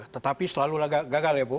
tetapi selalu gagal ya bu